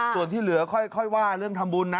ส่วนที่เหลือค่อยว่าเรื่องทำบุญนะ